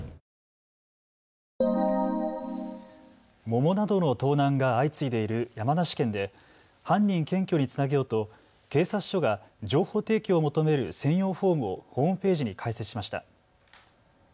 桃などの盗難が相次いでいる山梨県で犯人検挙につなげようと警察署が情報提供を求める専用フォームをホームページに開設しました。